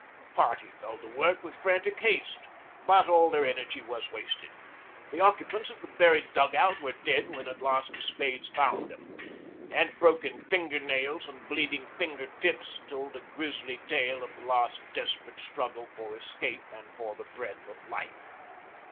A party fell to work with frantic haste; but all their energy was wasted. The occupants of the buried dug out were dead when at last the spades found them ... and broken finger nails and bleeding finger tips told a grisly tale of the last desperate struggle for escape and for the breath of life.